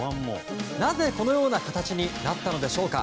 なぜ、このような形になったのでしょうか。